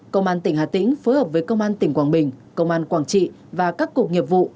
công an tỉnh hà tĩnh phối hợp với công an tỉnh quảng bình công an quảng trị và các cục nghiệp vụ